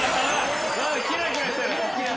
キラキラしてる！